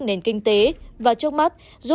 nền kinh tế và trước mắt giúp